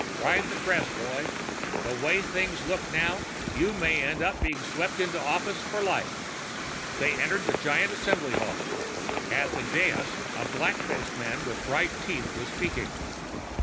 Ride the crest, Roy. The way things look now, you may end up being swept into office for life." They entered the giant Assembly hall. At the dais, a black faced man with bright teeth was speaking.